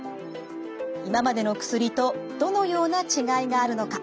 今までの薬とどのような違いがあるのか。